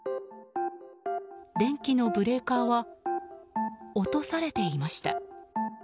電気のブレーカーは落とされていました。